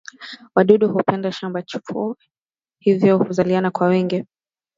wadudu hupenda shamba chufu hivyo huzaliana kwa wingi